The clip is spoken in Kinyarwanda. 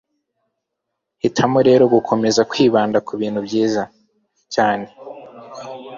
hitamo rero gukomeza kwibanda kubintu byiza cyane